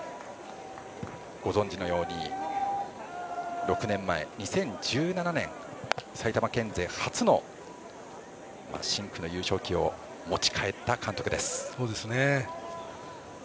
ご存知のように６年前２０１７年に埼玉県勢初の深紅の優勝旗を持ち帰った監督です。